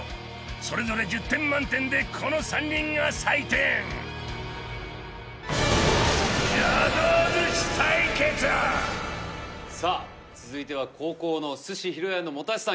それぞれ１０点満点でこの３人が採点さあ続いては後攻の鮨浩也の本橋さん